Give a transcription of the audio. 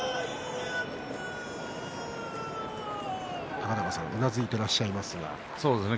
高田川さんうなずいてらっしゃいますね。